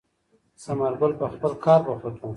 ثمر ګل په خپل کار بوخت و.